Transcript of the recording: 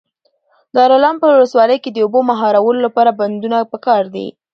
د دلارام په ولسوالۍ کي د اوبو د مهارولو لپاره بندونه پکار دي.